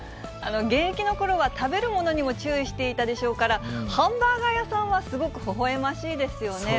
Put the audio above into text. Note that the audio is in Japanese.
現役のころは、食べるものにも注意していたでしょうから、ハンバーガー屋さんはそうですね。